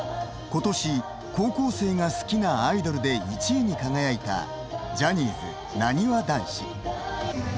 ことし、高校生が好きなアイドルで１位に輝いたジャニーズ、なにわ男子。